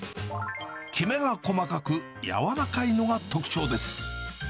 きめが細かく柔らかいのが特徴です。